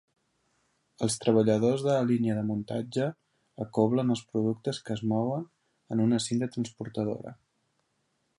Els treballadors de la línia de muntatge acoblen els productes que es mouen en una cinta transportadora.